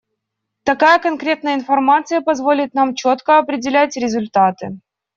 Такая конкретная информации позволит нам четко определять результаты.